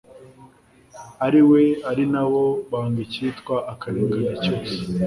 ari we, ari na bo, banga icyitwa akarengane cyose